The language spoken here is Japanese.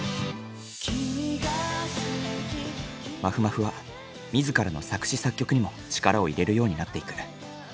まふまふは自らの作詞作曲にも力を入れるようになっていく。